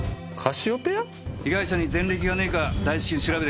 被害者に前歴がねぇか大至急調べてくれ！